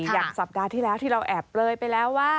๔๗๗๔อยากสัปดาห์ที่เราแอบเลยไปแล้ว